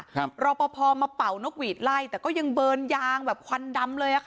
รอปภมาเป่านกหวีดไล่แต่ก็ยังเบิร์นยางแบบควันดำเลยอ่ะค่ะ